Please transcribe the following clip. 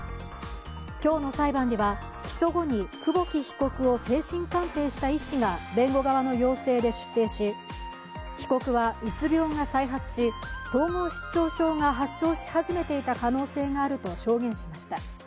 今日の裁判には、起訴後に久保木被告を精神鑑定した医師が弁護側の要請で出廷し被告はうつ病が再発し統合失調症が発症し始めていた可能性があると証言しました。